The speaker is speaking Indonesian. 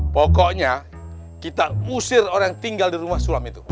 pokoknya kita usir orang yang tinggal di rumah sulam itu